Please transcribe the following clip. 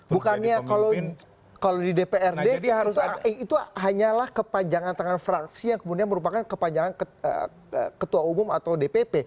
bukannya kalau di dprd itu hanyalah kepanjangan tangan fraksi yang kemudian merupakan kepanjangan ketua umum atau dpp